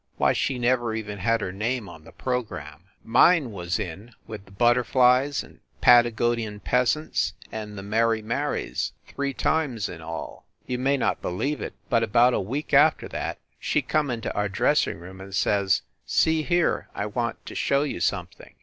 Why, she never even had her name on the program! Mine was in with the Butterflies and Patagonian Peasants and the Merry Marys, three times in all ! You may not believe it, but about a week after that she come into our dressing room and says, "See here, I want to show you something!"